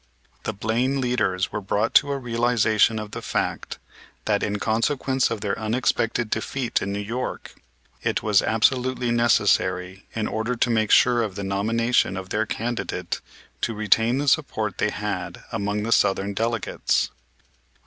The Blaine leaders were brought to a realization of the fact, that, in consequence of their unexpected defeat in New York, it was absolutely necessary, in order to make sure of the nomination of their candidate, to retain the support they had among the Southern delegates.